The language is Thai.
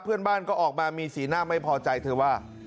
เพื่อนบ้านก็ออกมามีสีหน้าไม่พอใจเธอว่า